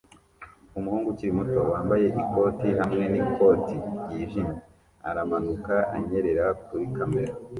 Umuhungu ukiri muto wambaye ikoti hamwe n'ikoti ryijimye aramanuka anyerera kuri kamera